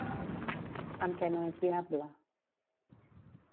Amb què no és viable?